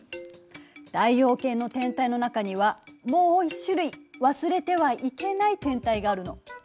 太陽系の天体の中にはもう一種類忘れてはいけない天体があるの。